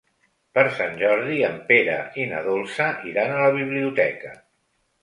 Per Sant Jordi en Pere i na Dolça iran a la biblioteca.